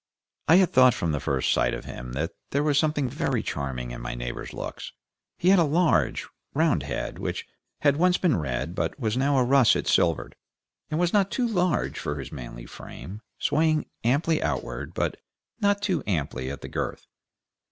I had thought, from the first sight of him, that there was something very charming in my neighbor's looks. He had a large, round head, which had once been red, but was now a russet silvered, and was not too large for his manly frame, swaying amply outward, but not too amply, at the girth.